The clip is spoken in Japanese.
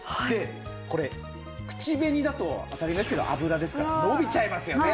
これ口紅だと当たり前ですけど油ですから伸びちゃいますよね。